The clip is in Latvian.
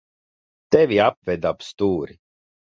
Tevi apveda ap stūri.